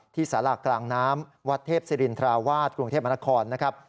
สารากลางน้ำวัดเทพศิรินทราวาสกรุงเทพมนครนะครับ